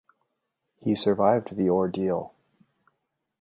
He survived the ordeal.